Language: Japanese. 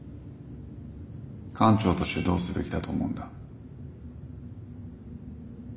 艦長としてどうすべきだと思うんだ？